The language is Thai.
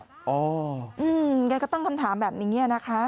อ๋ออย่างนี้ก็ต้องคำถามแบบอย่างนี้นะคะ